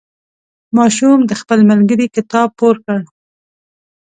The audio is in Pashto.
ماشوم د خپل ملګري کتاب پور کړ.